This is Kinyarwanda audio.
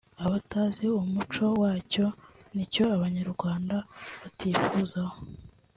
batazi umuco wacyo n’icyo Abanyarwanda babifuzaho’